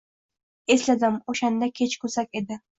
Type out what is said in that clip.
Esladim: o’shanda kech kuzak edi